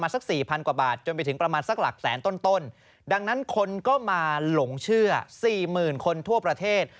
แสนต้นดังนั้นคนก็มาหลงเชื่อ๔๐๐๐๐คนทั่วประเทศ